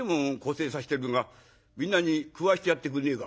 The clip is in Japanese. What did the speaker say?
せえさしてるがみんなに食わしてやってくんねえか」。